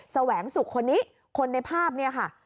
แสวงสุขคนนี้คนในภาพเนี่ยค่ะ